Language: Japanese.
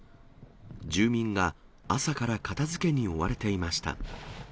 住民が朝から片づけに追われていました。